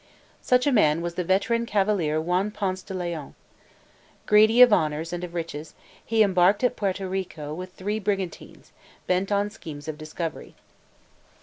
Such a man was the veteran cavalier Juan Ponce de Leon. Greedy of honors and of riches, he embarked at Porto Rico with three brigantines, bent on schemes of discovery.